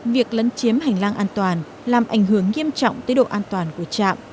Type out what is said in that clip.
việc lấn chiếm hành lang an toàn làm ảnh hưởng nghiêm trọng tới độ an toàn của trạm